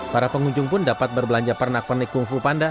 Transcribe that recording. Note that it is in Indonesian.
para pengunjung pun dapat berbelanja pernak pernik kungfu panda